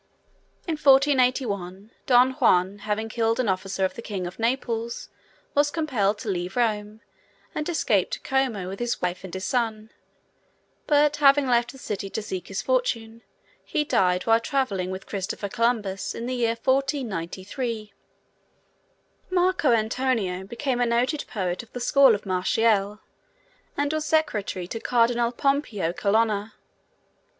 In 1481, Don Juan, having killed an officer of the king of Naples, was compelled to leave Rome, and escaped to Como with his wife and his son; but having left that city to seek his fortune, he died while traveling with Christopher Columbus in the year 1493. Marco Antonio became a noted poet of the school of Martial, and was secretary to Cardinal Pompeo Colonna.